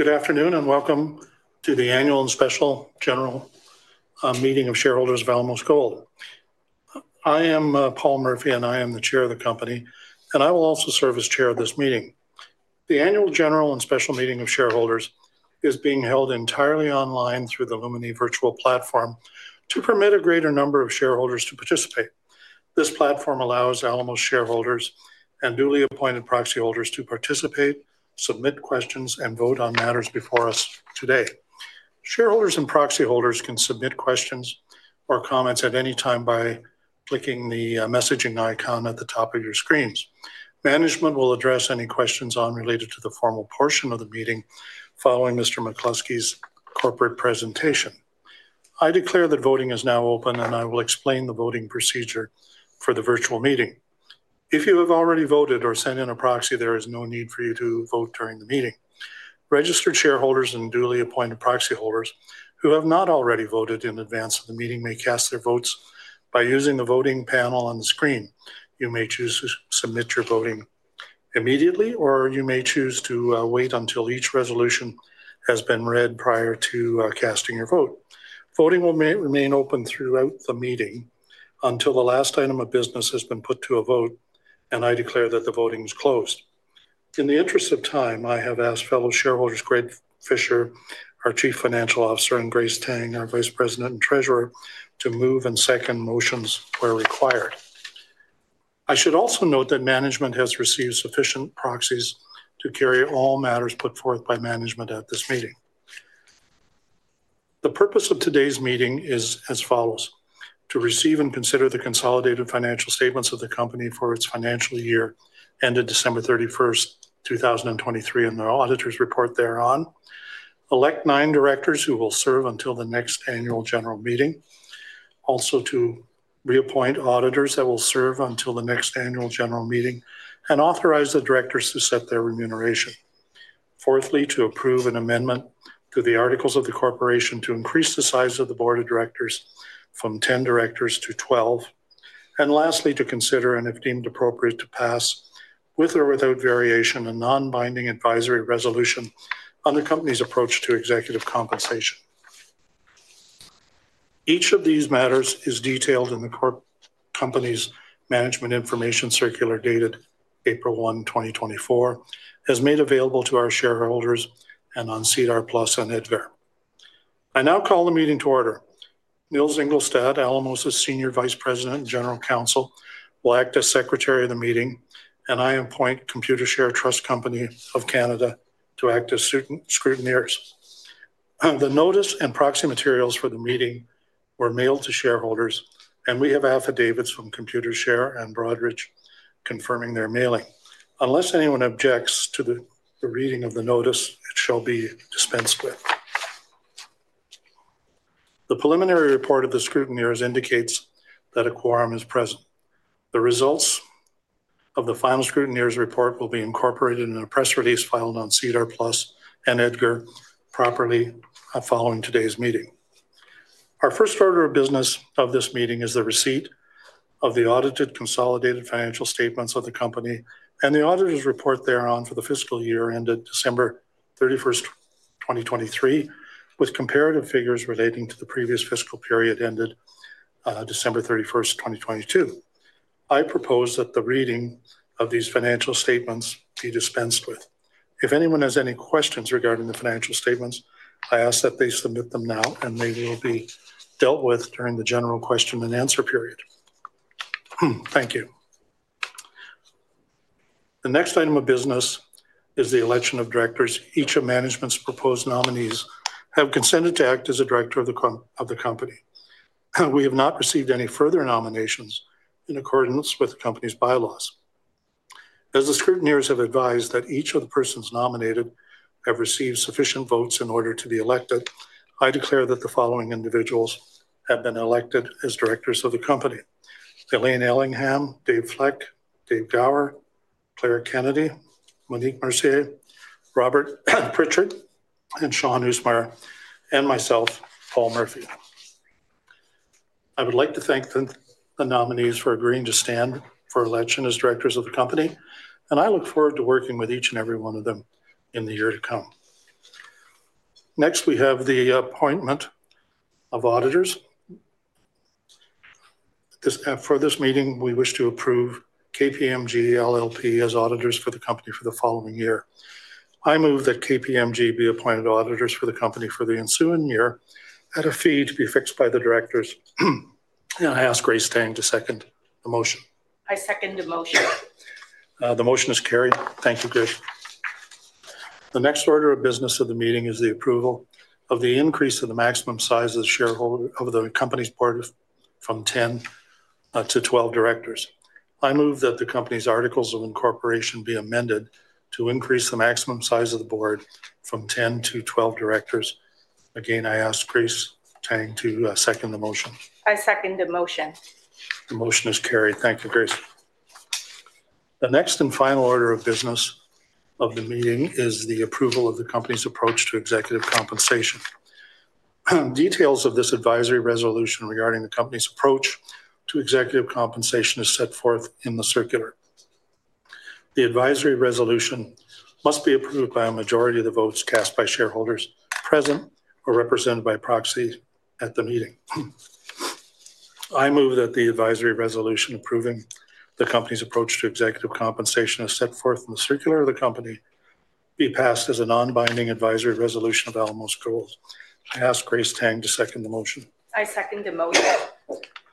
Good afternoon, and welcome to the Annual and Special General Meeting of Shareholders of Alamos Gold. I am Paul Murphy, and I am the chair of the company, and I will also serve as chair of this meeting. The Annual General and Special Meeting of Shareholders is being held entirely online through the Lumi virtual platform to permit a greater number of shareholders to participate. This platform allows Alamos shareholders and duly appointed proxy holders to participate, submit questions, and vote on matters before us today. Shareholders and proxy holders can submit questions or comments at any time by clicking the messaging icon at the top of your screens. Management will address any questions related to the formal portion of the meeting following Mr. McCluskey's corporate presentation. I declare that voting is now open, and I will explain the voting procedure for the virtual meeting. If you have already voted or sent in a proxy, there is no need for you to vote during the meeting. Registered shareholders and duly appointed proxy holders who have not already voted in advance of the meeting may cast their votes by using the voting panel on the screen. You may choose to submit your voting immediately, or you may choose to wait until each resolution has been read prior to casting your vote. Voting will remain open throughout the meeting until the last item of business has been put to a vote, and I declare that the voting is closed. In the interest of time, I have asked fellow shareholders, Greg Fisher, our Chief Financial Officer, and Grace Tang, our Vice President and Treasurer, to move and second motions where required. I should also note that management has received sufficient proxies to carry all matters put forth by management at this meeting. The purpose of today's meeting is as follows: To receive and consider the consolidated financial statements of the company for its financial year, ended December 31, 2023, and the auditor's report thereon. Elect nine directors who will serve until the next annual general meeting. Also, to reappoint auditors that will serve until the next annual general meeting and authorize the directors to set their remuneration. Fourthly, to approve an amendment to the articles of the corporation to increase the size of the board of directors from 10 directors to 12. And lastly, to consider, and if deemed appropriate, to pass, with or without variation, a non-binding advisory resolution on the company's approach to executive compensation. Each of these matters is detailed in the company's management information circular, dated April 1, 2024, as made available to our shareholders and on SEDAR+ and EDGAR. I now call the meeting to order. Nils Engelstad, Alamos's Senior Vice President and General Counsel, will act as Secretary of the meeting, and I appoint Computershare Trust Company of Canada to act as scrutineers. The notice and proxy materials for the meeting were mailed to shareholders, and we have affidavits from Computershare and Broadridge confirming their mailing. Unless anyone objects to the reading of the notice, it shall be dispensed with. The preliminary report of the scrutineers indicates that a quorum is present. The results of the final scrutineers' report will be incorporated in a press release filed on SEDAR+ and EDGAR properly, following today's meeting. Our first order of business of this meeting is the receipt of the audited consolidated financial statements of the company and the auditor's report thereon for the fiscal year ended December 31, 2023, with comparative figures relating to the previous fiscal period, ended December 31, 2022. I propose that the reading of these financial statements be dispensed with. If anyone has any questions regarding the financial statements, I ask that they submit them now, and they will be dealt with during the general question and answer period. Thank you. The next item of business is the election of directors. Each of management's proposed nominees have consented to act as a director of the company. We have not received any further nominations in accordance with the company's bylaws. As the scrutineers have advised that each of the persons nominated have received sufficient votes in order to be elected, I declare that the following individuals have been elected as directors of the company: Elaine Ellingham, Dave Fleck, Dave Gower, Claire Kennedy, Monique Mercier, Robert Prichard, and Shaun Usmar, and myself, Paul Murphy. I would like to thank the nominees for agreeing to stand for election as directors of the company, and I look forward to working with each and every one of them in the year to come. Next, we have the appointment of auditors. This, for this meeting, we wish to approve KPMG LLP as auditors for the company for the following year. I move that KPMG be appointed auditors for the company for the ensuing year at a fee to be fixed by the directors. I ask Grace Tang to second the motion. I second the motion. The motion is carried. Thank you, Grace. The next order of business of the meeting is the approval of the increase of the maximum size of the shareholder, of the company's board, from 10 to 12 directors. I move that the company's articles of incorporation be amended to increase the maximum size of the board from 10 to 12 directors. Again, I ask Grace Tang to second the motion. I second the motion. The motion is carried. Thank you, Grace. The next and final order of business of the meeting is the approval of the company's approach to executive compensation. Details of this advisory resolution regarding the company's approach to executive compensation is set forth in the circular. The advisory resolution must be approved by a majority of the votes cast by shareholders present or represented by proxy at the meeting. I move that the advisory resolution approving the company's approach to executive compensation, as set forth in the circular of the company, be passed as a non-binding advisory resolution of Alamos Gold. I ask Grace Tang to second the motion. I second the motion.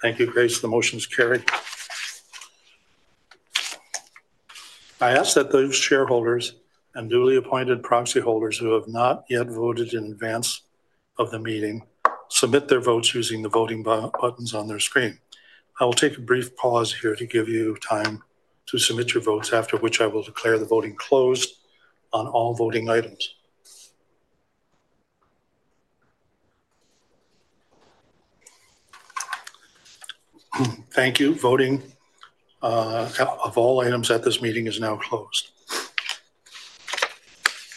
Thank you, Grace. The motion is carried. I ask that those shareholders and duly appointed proxy holders who have not yet voted in advance of the meeting submit their votes using the voting buttons on their screen. I will take a brief pause here to give you time to submit your votes, after which I will declare the voting closed on all voting items. Thank you. Voting of all items at this meeting is now closed.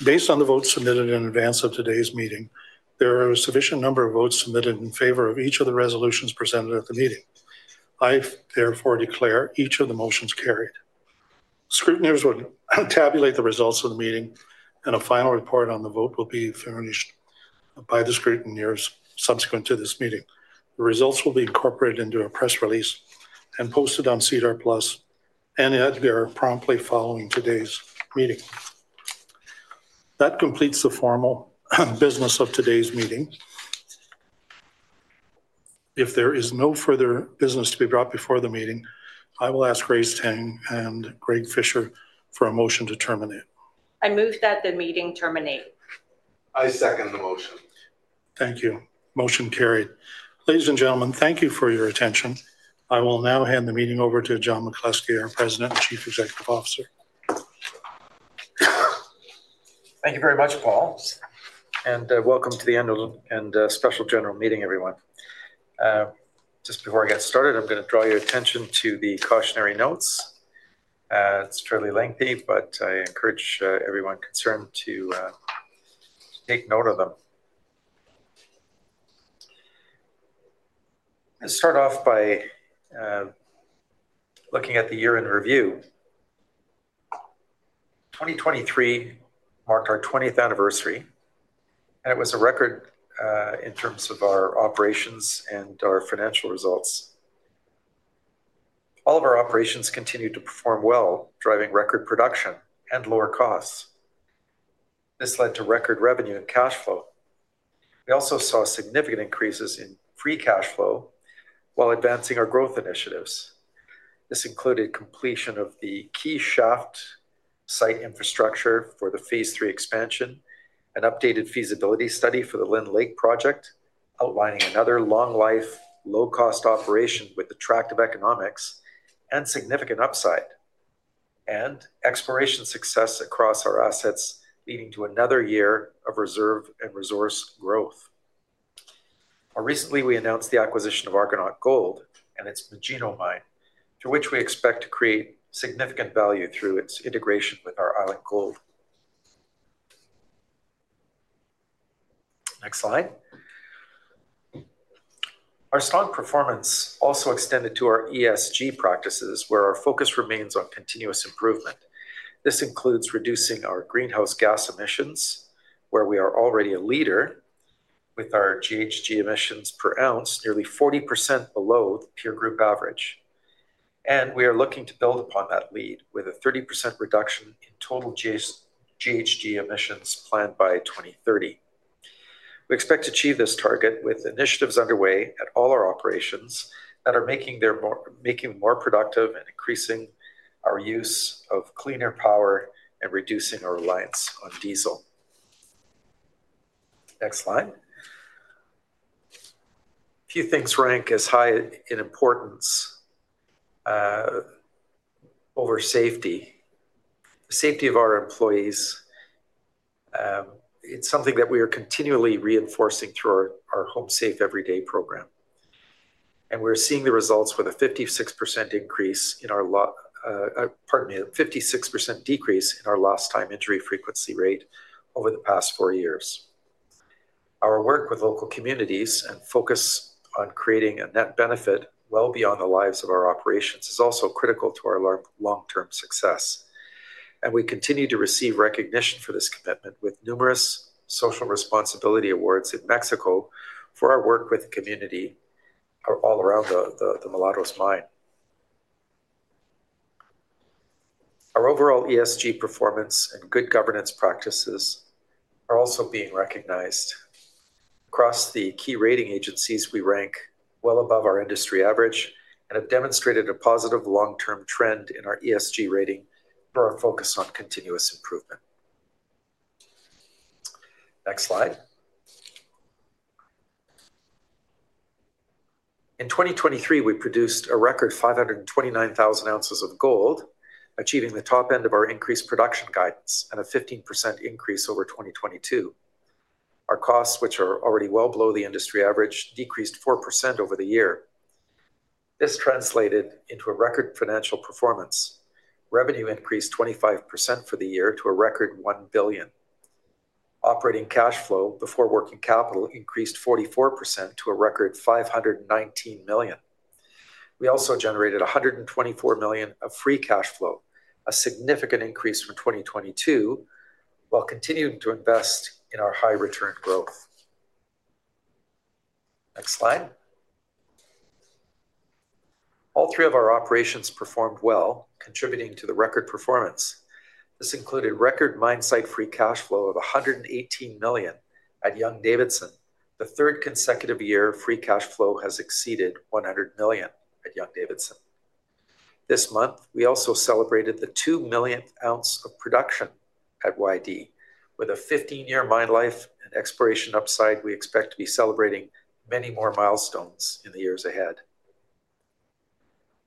Based on the votes submitted in advance of today's meeting, there are a sufficient number of votes submitted in favor of each of the resolutions presented at the meeting. I therefore declare each of the motions carried. Scrutineers will tabulate the results of the meeting, and a final report on the vote will be furnished by the scrutineers subsequent to this meeting. The results will be incorporated into a press release and posted on SEDAR+ and EDGAR promptly following today's meeting. That completes the formal business of today's meeting. If there is no further business to be brought before the meeting, I will ask Grace Tang and Greg Fisher for a motion to terminate. I move that the meeting terminate. I second the motion. Thank you. Motion carried. Ladies and gentlemen, thank you for your attention. I will now hand the meeting over to John McCluskey, our President and Chief Executive Officer. Thank you very much, Paul, and welcome to the Annual and Special General Meeting, everyone. Just before I get started, I'm gonna draw your attention to the cautionary notes. It's fairly lengthy, but I encourage everyone concerned to take note of them. Let's start off by looking at the year in review. 2023 marked our twentieth anniversary, and it was a record in terms of our operations and our financial results. All of our operations continued to perform well, driving record production and lower costs. This led to record revenue and cash flow. We also saw significant increases in free cash flow while advancing our growth initiatives. This included completion key shaft site infrastructure for the Phase 3 Expansion, an updated feasibility study for the Lynn Lake project, outlining another long-life, low-cost operation with attractive economics and significant upside, and exploration success across our assets, leading to another year of reserve and resource growth. More recently, we announced the acquisition of Argonaut Gold and its Magino Mine, to which we expect to create significant value through its integration with our Island Gold. Next slide. Our strong performance also extended to our ESG practices, where our focus remains on continuous improvement. This includes reducing our greenhouse gas emissions, where we are already a leader, with our GHG emissions per ounce nearly 40% below the peer group average. We are looking to build upon that lead, with a 30% reduction in total GHG emissions planned by 2030. We expect to achieve this target with initiatives underway at all our operations that are making more productive and increasing our use of cleaner power and reducing our reliance on diesel. Next slide. Few things rank as high in importance over safety. Safety of our employees, it's something that we are continually reinforcing through our Home Safe Every Day program, and we're seeing the results with a 56% increase in our lo-- pardon me, a 56% decrease in our lost time injury frequency rate over the past four years. Our work with local communities and focus on creating a net benefit well beyond the lives of our operations is also critical to our long-term success. We continue to receive recognition for this commitment with numerous social responsibility awards in Mexico for our work with the community, all around the Mulatos Mine. Our overall ESG performance and good governance practices are also being recognized. Across the key rating agencies, we rank well above our industry average and have demonstrated a positive long-term trend in our ESG rating for our focus on continuous improvement. Next slide. In 2023, we produced a record 529,000 ounces of gold, achieving the top end of our increased production guidance and a 15% increase over 2022. Our costs, which are already well below the industry average, decreased 4% over the year. This translated into a record financial performance. Revenue increased 25% for the year to a record $1 billion. Operating cash flow before working capital increased 44% to a record $519 million. We also generated $124 million of free cash flow, a significant increase from 2022, while continuing to invest in our high return growth. Next slide. All three of our operations performed well, contributing to the record performance. This included record mine-site free cash flow of $118 million at Young-Davidson, the third consecutive year free cash flow has exceeded $100 million at Young-Davidson. This month, we also celebrated the 2 millionth ounce of production at YD. With a 15-year mine life and exploration upside, we expect to be celebrating many more milestones in the years ahead.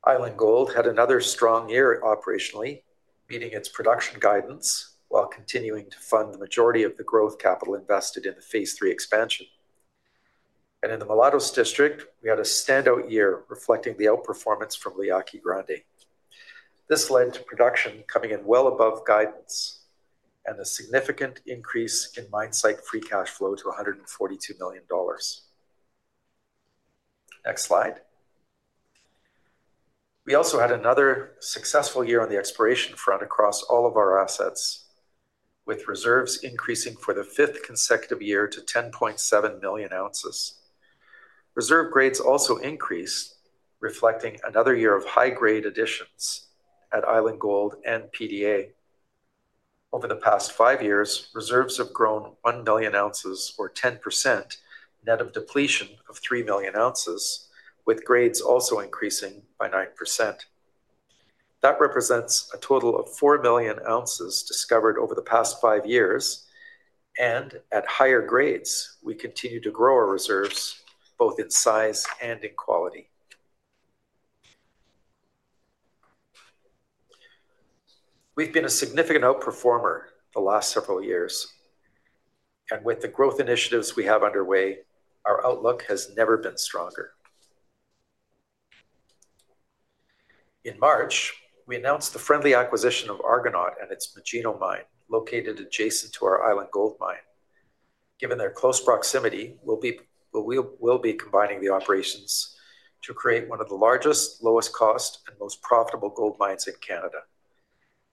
Island Gold had another strong year operationally, meeting its production guidance while continuing to fund the majority of the growth capital invested in the Phase 3 Expansion. In the Mulatos District, we had a standout year reflecting the outperformance from La Yaqui Grande. This led to production coming in well above guidance and a significant increase in mine site free cash flow to $142 million. Next slide. We also had another successful year on the exploration front across all of our assets, with reserves increasing for the fifth consecutive year to 10.7 million ounces. Reserve grades also increased, reflecting another year of high-grade additions at Island Gold and PDA. Over the past five years, reserves have grown 1 million ounces or 10%, net of depletion of 3 million ounces, with grades also increasing by 9%. That represents a total of 4 million ounces discovered over the past five years, and at higher grades, we continue to grow our reserves, both in size and in quality. We've been a significant outperformer the last several years, and with the growth initiatives we have underway, our outlook has never been stronger. In March, we announced the friendly acquisition of Argonaut and its Magino Mine, located adjacent to our Island Gold Mine. Given their close proximity, we'll be combining the operations to create one of the largest, lowest cost, and most profitable gold mines in Canada.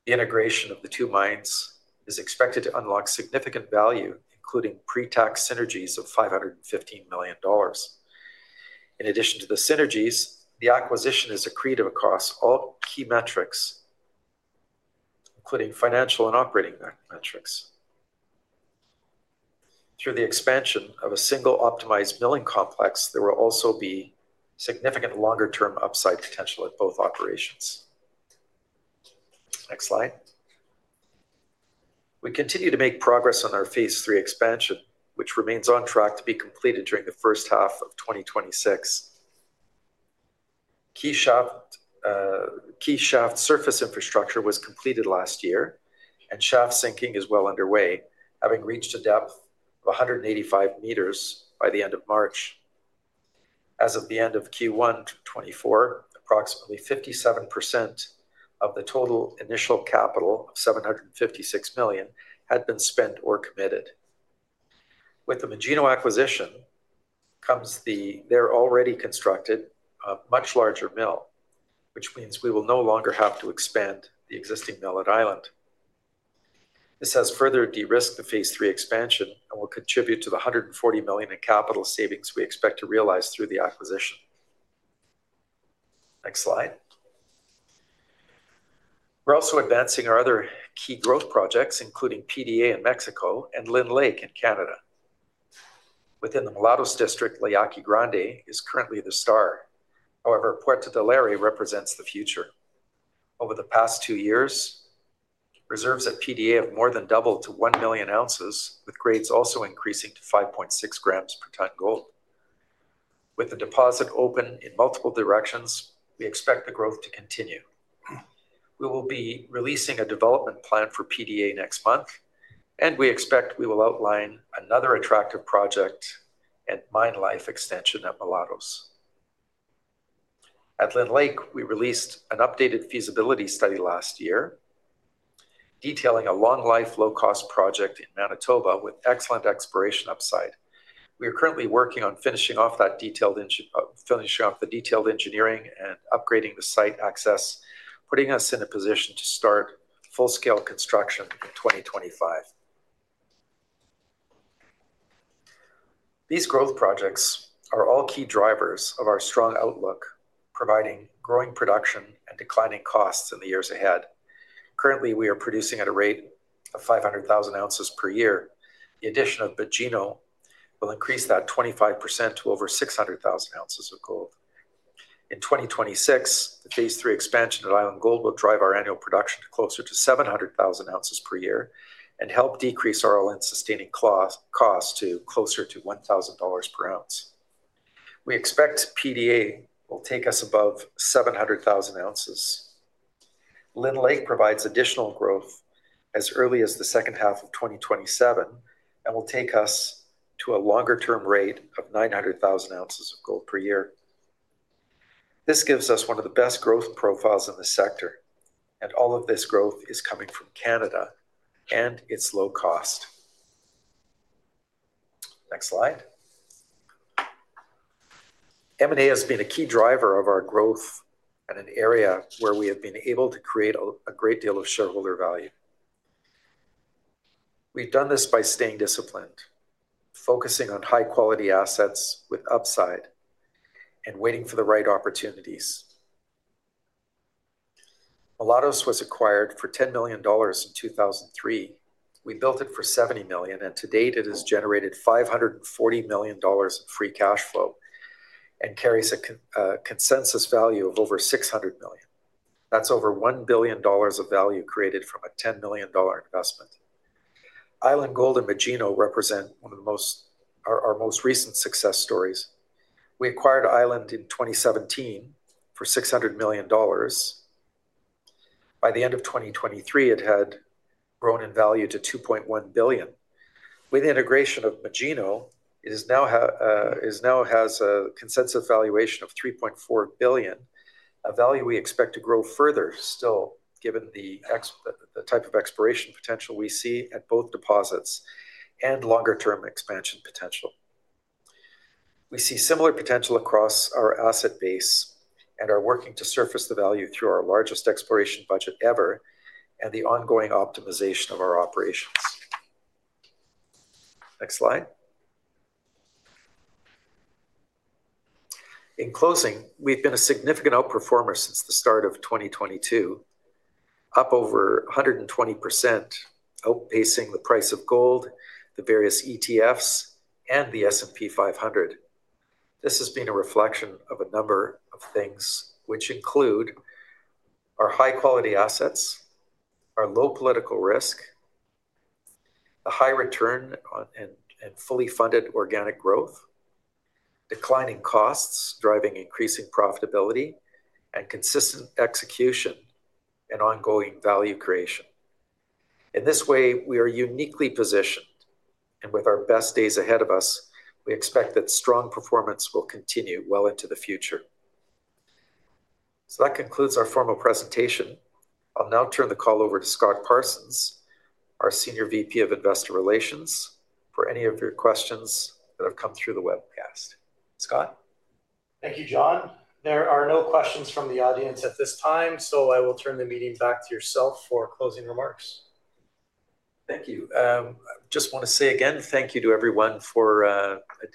The integration of the two mines is expected to unlock significant value, including pre-tax synergies of $515 million. In addition to the synergies, the acquisition is accretive across all key metrics, including financial and operating metrics. Through the expansion of a single optimized milling complex, there will also be significant longer-term upside potential at both operations. Next slide. We continue to make progress Phase 3 Expansion, which remains on track to be completed during the first half key shaft surface infrastructure was completed last year, and shaft sinking is well underway, having reached a depth of 185 meters by the end of March. As of the end of Q1 2024, approximately 57% of the total initial capital of $756 million had been spent or committed. With the Magino acquisition, comes the... They're already constructed, a much larger mill, which means we will no longer have to expand the existing mill at Island. This has further Phase 3 Expansion and will contribute to the $140 million in capital savings we expect to realize through the acquisition. Next slide. We're also advancing our other key growth projects, including PDA in Mexico and Lynn Lake in Canada. Within the Mulatos District, La Yaqui Grande is currently the star. However, Puerto Del Aire represents the future. Over the past two years, reserves at PDA have more than doubled to 1 million ounces, with grades also increasing to 5.6 grams per tonne gold. With the deposit open in multiple directions, we expect the growth to continue. We will be releasing a development plan for PDA next month, and we expect we will outline another attractive project and mine life extension at Mulatos. At Lynn Lake, we released an updated feasibility study last year, detailing a long-life, low-cost project in Manitoba with excellent exploration upside. We are currently working on finishing off that detailed engineering and upgrading the site access, putting us in a position to start full-scale construction in 2025. These growth projects are all key drivers of our strong outlook, providing growing production and declining costs in the years ahead. Currently, we are producing at a rate of 500,000 ounces per year. The addition of Magino will increase that 25% to over 600,000 ounces of gold. In 2026, the Phase 3 Expansion at Island Gold will drive our annual production to closer to 700,000 ounces per year and help decrease our all-in sustaining costs to closer to $1,000 per ounce. We expect PDA will take us above 700,000 ounces. Lynn Lake provides additional growth as early as the second half of 2027 and will take us to a longer-term rate of 900,000 ounces of gold per year. This gives us one of the best growth profiles in the sector, and all of this growth is coming from Canada, and it's low cost. Next slide. M&A has been a key driver of our growth and an area where we have been able to create a, a great deal of shareholder value. We've done this by staying disciplined, focusing on high-quality assets with upside, and waiting for the right opportunities. Mulatos was acquired for $10 million in 2003. We built it for $70 million, and to date, it has generated $540 million in free cash flow and carries a consensus value of over $600 million. That's over $1 billion of value created from a $10 million investment. Island Gold and Magino represent one of our most recent success stories. We acquired Island in 2017 for $600 million. By the end of 2023, it had grown in value to $2.1 billion. With the integration of Magino, it now has a consensus valuation of $3.4 billion, a value we expect to grow further still, given the type of exploration potential we see at both deposits and longer-term expansion potential. We see similar potential across our asset base and are working to surface the value through our largest exploration budget ever and the ongoing optimization of our operations. Next slide. In closing, we've been a significant outperformer since the start of 2022, up over 120%, outpacing the price of gold, the various ETFs, and the S&P 500. This has been a reflection of a number of things, which include our high-quality assets, our low political risk, a high return on and, and fully funded organic growth, declining costs, driving increasing profitability, and consistent execution and ongoing value creation. In this way, we are uniquely positioned, and with our best days ahead of us, we expect that strong performance will continue well into the future. So that concludes our formal presentation. I'll now turn the call over to Scott Parsons, our Senior VP of Investor Relations, for any of your questions that have come through the webcast. Scott? Thank you, John. There are no questions from the audience at this time, so I will turn the meeting back to yourself for closing remarks. Thank you. I just want to say again, thank you to everyone for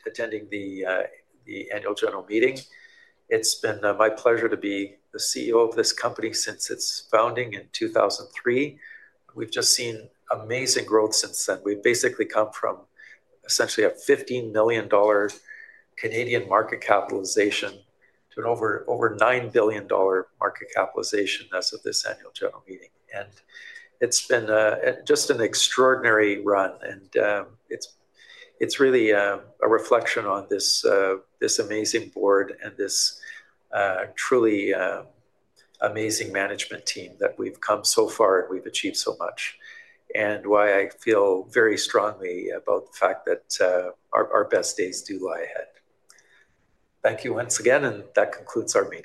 attending the annual general meeting. It's been my pleasure to be the CEO of this company since its founding in 2003. We've just seen amazing growth since then. We've basically come from essentially a 15 million Canadian dollars market capitalization to an over 9 billion dollar market capitalization as of this annual general meeting, and it's been a just an extraordinary run, and it's really a reflection on this this amazing board and this truly amazing management team that we've come so far, and we've achieved so much, and why I feel very strongly about the fact that our best days do lie ahead. Thank you once again, and that concludes our meeting.